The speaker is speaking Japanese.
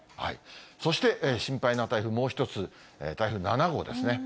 そして、心配な台風、もう１つ、台風７号ですね。